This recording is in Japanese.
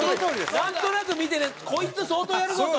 なんとなく見ててこいつ相当やるぞと。